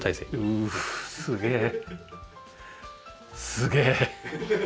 すげえ。